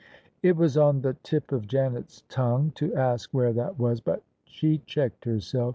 It was on the tip of Janet's tongue to ask where that was : but she checked herself.